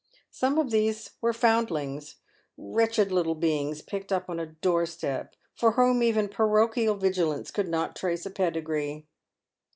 Some of these were foundlings, wretched PAVED WITH GOLD. 43 little beings picked up on a door step, for whom even parochial vigilance could not trace a pedigree.